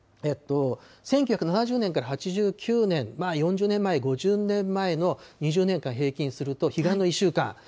１９７０年から８９年、４０年前、５０年前の２０年間、平均すると彼岸の１週間、